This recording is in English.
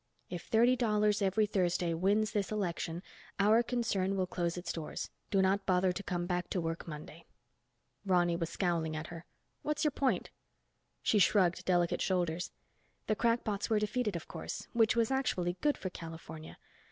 _If Thirty Dollars Every Thursday wins this election, our concern will close its doors. Do not bother to come back to work Monday._" Ronny was scowling at her. "What's your point?" She shrugged delicate shoulders. "The crackpots were defeated, of course, which was actually good for California.